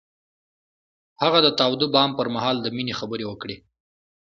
هغه د تاوده بام پر مهال د مینې خبرې وکړې.